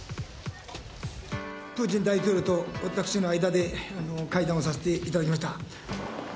プーチン大統領と私の間で会談をさせていただきました。